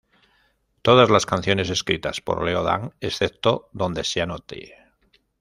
Todas las canciones escritas por Leo Dan, excepto donde se anote.